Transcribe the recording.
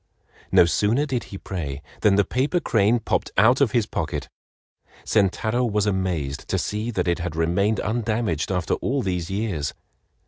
No sooner did he pray than the paper crane popped out of his pocket. Sentaro was amazed to see that it had remained undamaged after all these years.